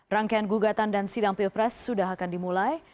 rangkaian gugatan dan sidang pilpres sudah akan dimulai